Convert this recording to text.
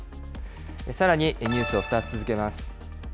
さらに、ニュースを２つ続けます。